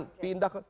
pindah pindah pindah